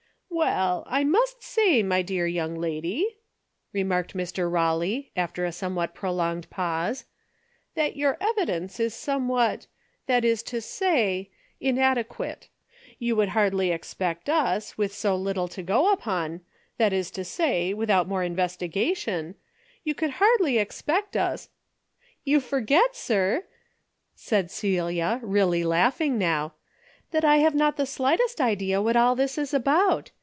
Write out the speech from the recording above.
"Well, I must say, my dear young lady," remarked Mr. Kawley, after a somewhat pro longed pause, " that your evidence is some what — that is to say, — inadequate. You could hardly expect us, with so little to go upon — that is to say, without more investigation, you could hardly expect us "" You forget, sir," said Celia, really laugh ing now, " that I have not the slightest idea what all this is about.